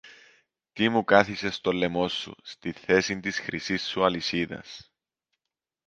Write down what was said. Τι μου κάθισες στο λαιμό σου, στη θέση της χρυσής σου αλυσίδας;